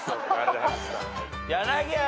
柳原。